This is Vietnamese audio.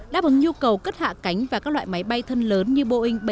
đáp ứng nhu cầu cất hạ cánh và các loại máy bay thân lớn như boeing bảy trăm tám mươi bảy